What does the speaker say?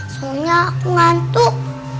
soalnya aku ngantuk